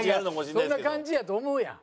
いやそんな感じやと思うやん。